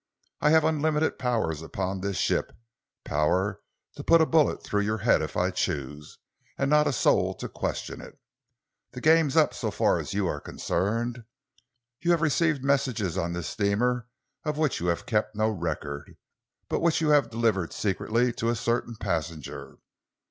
I have unlimited powers upon this ship, power to put a bullet through your head if I choose, and not a soul to question it. The game's up so far as you are concerned. You have received messages on this steamer of which you have kept no record, but which you have delivered secretly to a certain passenger.